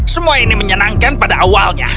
semua ini menyenangkan pada awalnya